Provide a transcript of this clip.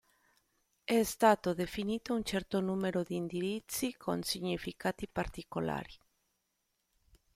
È stato definito un certo numero di indirizzi con significati particolari.